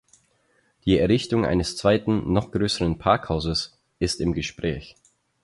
Die Errichtung eines zweiten, noch größeren Parkhauses ist im Gespräch.